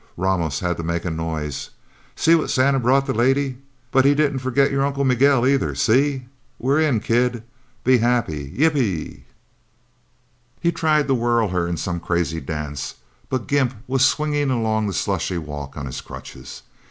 Ramos had to make a noise. "See what Santa brought the lady! But he didn't forget your Uncle Miguel, either see! We're in, kid be happy. Yippee!" He tried to whirl her in some crazy dance, but Gimp was swinging along the slushy walk on his crutches.